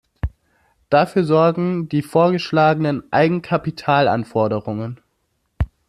Dafür sorgen die vorgeschlagenen Eigenkapitalanforderungen.